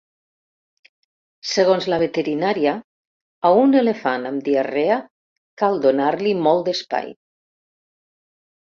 Segons la veterinària, a un elefant amb diarrea cal donar-li molt d'espai.